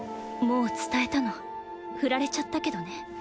もう伝えたのふられちゃったけどね。